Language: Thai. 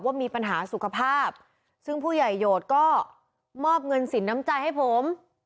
ว่ามีปัญหาสุขภาพซึ่งผู้ใหญ่โหดก็มอบเงินสินน้ำใจให้ผม